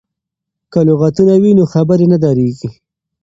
که لغتونه وي نو خبرې نه دریږي.